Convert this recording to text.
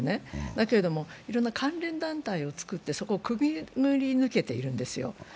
だけれども、いろんな関連団体をつくってそこをくぐり抜けているんですよ。